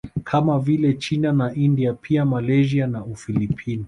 Kama vile China na India pia Malaysia na Ufilipino